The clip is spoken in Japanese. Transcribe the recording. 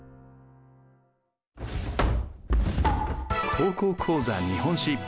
「高校講座日本史」。